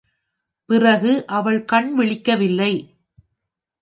பிறகு அவள் கண்விழிக்கவில்லை.